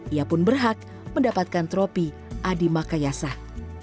ia pun berhak mendapatkan tropi adi makayasah